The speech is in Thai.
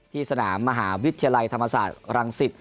ที่สนามมหาวิทยาลัยธรรมศาสตร์รังสิต